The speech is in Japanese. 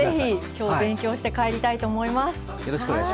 きょう、勉強して帰りたいと思います。